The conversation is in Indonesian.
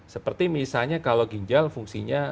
seperti misalnya kalau ginjal fungsinya